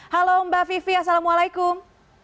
halo mbak vivi assalamualaikum